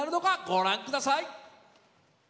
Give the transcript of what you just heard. ご覧ください。